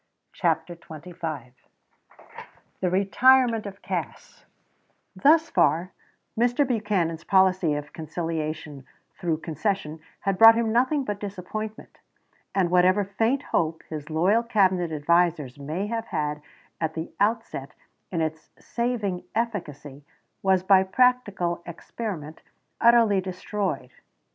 CHAPTER XXV THE RETIREMENT OF CASS Thus far Mr. Buchanan's policy of conciliation through concession had brought him nothing but disappointment, and whatever faint hope his loyal Cabinet advisers may have had at the outset in its saving efficacy was by practical experiment utterly destroyed.